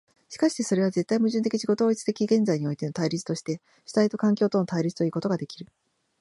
しかしてそれは絶対矛盾的自己同一的現在においての対立として主体と環境との対立ということができる。